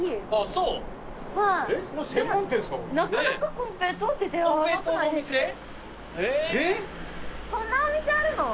そんなお店あるの？